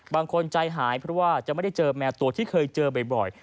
บางคนใจหายเพราะว่าจะไม่ได้เจอแมวตัวที่เคยเจอบ่อย